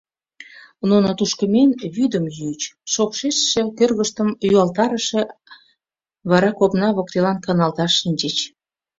Нуно, тушко миен, вӱдым йӱыч, шокшештше кӧргыштым юалтарыше Вара копна воктелан каналташ шинчыч.